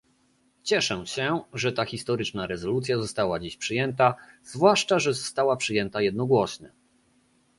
Cieszę się, że ta historyczna rezolucja została dziś przyjęta, zwłaszcza że została przyjęta jednogłośnie